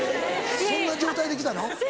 そんな状態で来たの？